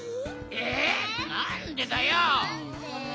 えなんでだよ！